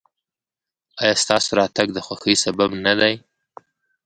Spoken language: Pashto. ایا ستاسو راتګ د خوښۍ سبب نه دی؟